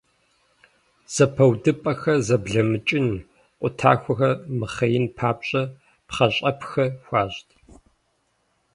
Зэпыудыпӏэхэр зэблэмыкӏыжын, къутахуэр мыхъеин папщӏэ пхъэщӏэпхэ хуащӏт.